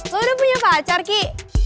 saya udah punya pacar ki